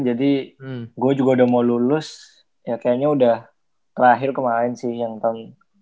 jadi gue juga udah mau lulus ya kayaknya udah terakhir kemaren sih yang tahun